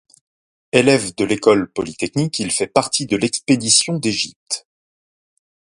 Élève de l'École polytechnique, il fait partie de l'expédition d'Égypte.